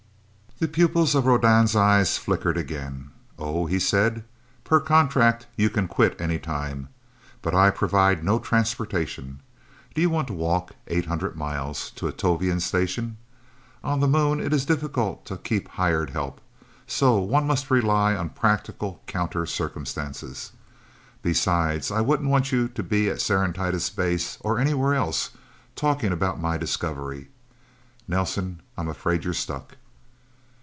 The pupils of Rodan's eyes flickered again. "Oh?" he said. "Per contract, you can quit anytime. But I provide no transportation. Do you want to walk eight hundred miles to a Tovie station? On the Moon it is difficult to keep hired help. So one must rely on practical counter circumstances. Besides, I wouldn't want you to be at Serenitatis Base, or anywhere else, talking about my discovery, Nelsen. I'm afraid you're stuck."